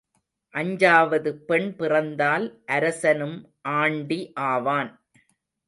அஞ்சாவது பெண் பிறந்தால் அரசனும் ஆண்டி ஆவான்.